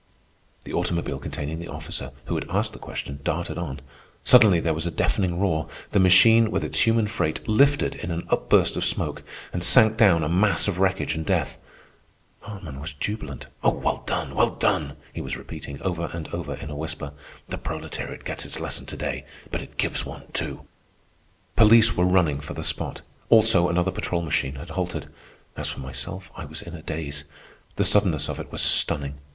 The automobile containing the officer who had asked the question darted on. Suddenly there was a deafening roar. The machine, with its human freight, lifted in an upburst of smoke, and sank down a mass of wreckage and death. Hartman was jubilant. "Well done! well done!" he was repeating, over and over, in a whisper. "The proletariat gets its lesson to day, but it gives one, too." Police were running for the spot. Also, another patrol machine had halted. As for myself, I was in a daze. The suddenness of it was stunning.